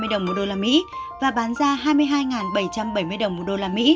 hai mươi hai sáu trăm hai mươi đồng một đô la mỹ và bán ra hai mươi hai bảy trăm bảy mươi đồng một đô la mỹ